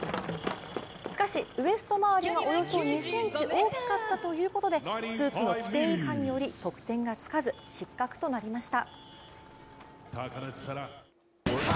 しかしウエスト周りがおよそ２ｃｍ大きかったということでスーツの規定違反により得点がつかず、失格となりました。